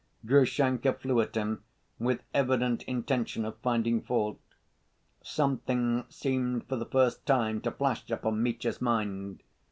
Grushenka flew at him with evident intention of finding fault. Something seemed for the first time to flash upon Mitya's mind.